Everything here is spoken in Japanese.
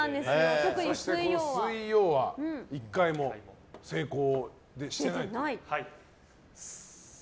そして水曜は１回も成功してないと。